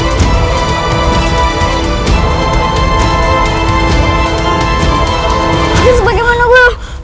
ini sebagaimana guru